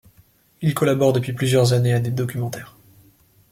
Il collabore depuis plusieurs années à des documentaires.